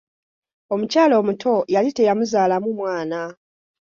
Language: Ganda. Omukyala omuto yali teyamuzaalamu mwana.